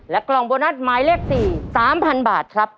กล่องโบนัสหมายเลข๔๓๐๐๐บาทครับ